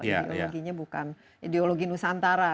ideologinya bukan ideologi nusantara